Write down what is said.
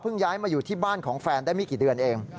ย้ายมาอยู่ที่บ้านของแฟนได้ไม่กี่เดือนเอง